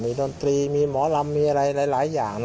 ดนตรีมีหมอลำมีอะไรหลายอย่าง